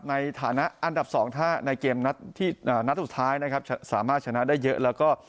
ในฐานะอันดับ๒ถ้าในเกมนัดสุดท้ายนะครับสามารถชนะได้เยอะแล้วก็